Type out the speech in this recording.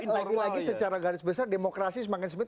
lagi lagi secara garis besar demokrasi semakin sempit